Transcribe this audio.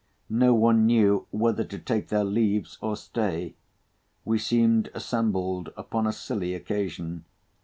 No one knew whether to take their leaves or stay. We seemed assembled upon a silly occasion.